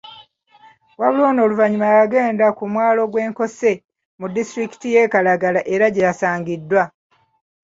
Wabula ono oluvanyuma yagenda ku mwalo gw'e Nkose, mu disitulikiti y'e Kalangala era gye yasangiddwa.